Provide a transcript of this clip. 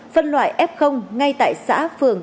phân loại f ngay tại xã phường